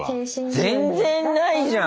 全然ないじゃん！